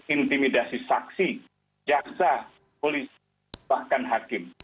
intimidasi saksi jaksa polisi bahkan hakim